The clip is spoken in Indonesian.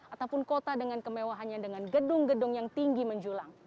ataupun kota dengan kemewahannya dengan gedung gedung yang tinggi menjulang